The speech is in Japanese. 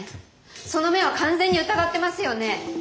その目は完全に疑ってますよね？